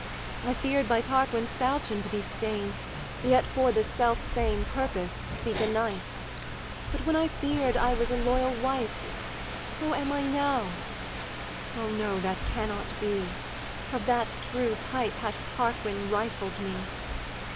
I fear'd by Tarquin's falchion to be slain, Yet for the self same purpose seek a knife: But when I fear'd I was a loyal wife: So am I now: O no, that cannot be; Of that true type hath Tarquin rifled me.